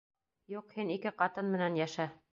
Юҡ, һин ике ҡатын менән йәшә.